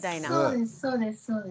そうですそうです。